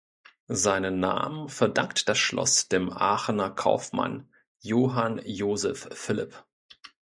Seinen Namen verdankt das Schloss dem Aachener Kaufmann Johann Joseph Philipp.